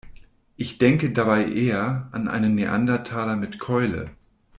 Ich denke dabei eher an einen Neandertaler mit Keule.